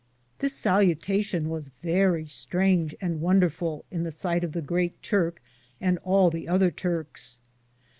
This salutation was verrie strange and wonderfuU in the sighte of the Great Turke and all other Turkes.